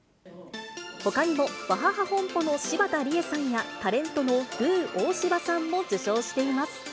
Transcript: ほかにも、ワハハ本舗の柴田理恵さんや、タレントのルー大柴さんも受賞しています。